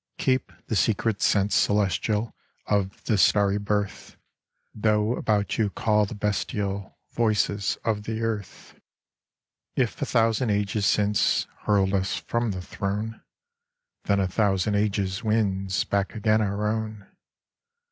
Keep the secret sense celestial Of the starry birth ; Though about you call the bestial Voices of the earth. If a thousand ages since Hurled us from the throne : Then a thousand ages wins Back again our own.